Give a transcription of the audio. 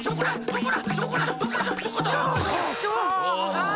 ああ。